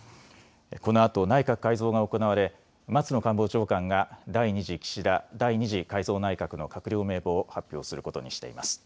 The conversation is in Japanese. このあと内閣改造が行われ松野官房長官が第２次岸田第２次改造内閣の閣僚名簿を発表することにしています。